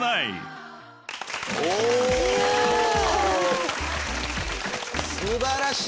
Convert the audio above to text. おお素晴らしい！